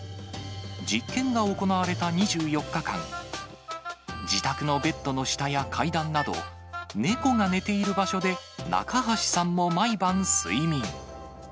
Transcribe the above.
実験が行われた２４日間、自宅のベッドの下や階段など、猫が寝ている場所で中橋さんも毎晩睡眠。